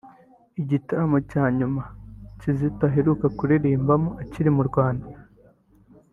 Igitaramo cya nyuma Kitoko aheruka kuririmbamo akiri mu Rwanda